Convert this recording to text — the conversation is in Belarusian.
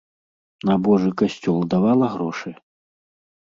На божы касцёл давала грошы?